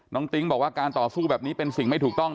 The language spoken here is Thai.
ติ๊งบอกว่าการต่อสู้แบบนี้เป็นสิ่งไม่ถูกต้อง